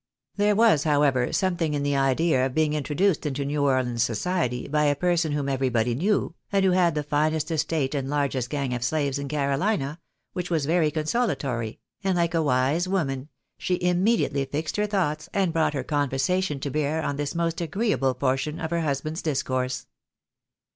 There was, how ever, something in the idea of being introduced into New Orleans society by a person whom everybody knew, and who had the finest estate and largest gang of slaves in Carolina, which was very consolatory, and hke a wise woman, she immediately fixed her thoughts, and brought her conversation to bear on this most agree able portion of her husband's discourse.